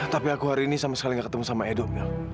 tapi aku hari ini sama sekali gak ketemu sama edo